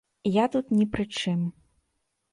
Я тут ні пры чым.